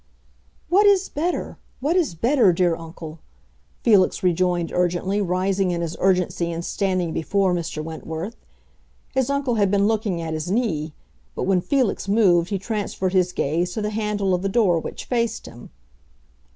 "What is better—what is better, dear uncle?" Felix rejoined urgently, rising in his urgency and standing before Mr. Wentworth. His uncle had been looking at his knee; but when Felix moved he transferred his gaze to the handle of the door which faced him.